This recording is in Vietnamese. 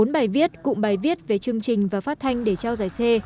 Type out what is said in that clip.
bốn bài viết cụm bài viết về chương trình và phát thanh để trao giải c